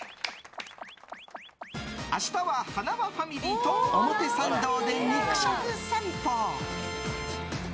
明日は、はなわファミリーと表参道で肉食さんぽ。